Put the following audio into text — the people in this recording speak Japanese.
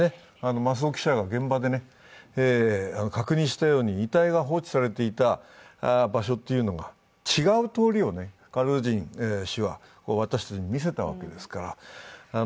増尾記者が現場で確認したように遺体が放置されていた場所というのが違う通りをガルージン氏は私たちに見せたわけですから。